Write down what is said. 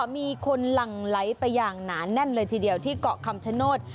มีคนหลั่งไหลไปอย่างหนาแน่นเลยทีเดียวที่เกาะคำชโนธ